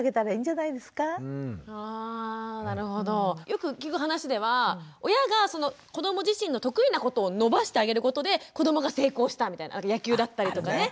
よく聞く話では親がその子ども自身の得意なことを伸ばしてあげることで子どもが成功したみたいな野球だったりとかね。